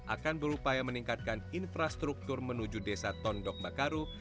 akan berupaya meningkatkan infrastruktur menuju desa tondok bakaru